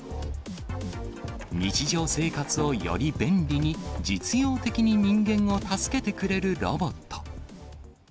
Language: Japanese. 日常生活をより便利に、実用的に人間を助けてくれるロボット。